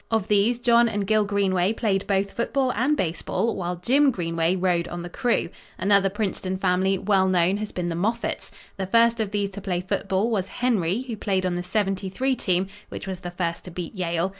Of these, John and Gil Greenway played both football and baseball while Jim Greenway rowed on the crew. Another Princeton family, well known, has been the Moffats. The first of these to play football was Henry, who played on the '73 team which was the first to beat Yale.